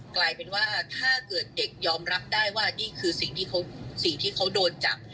กลายเป็นว่าถ้าเกิดเด็กยอมรับได้ว่านี่คือสิ่งที่เขาโดนจับ